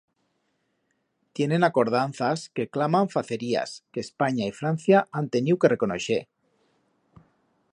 Tienen acordanzas, que claman facerías, que Espanya y Francia han teniu que reconoixer.